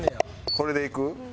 これでいく？